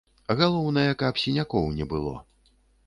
Галоўнае, каб сінякоў не было.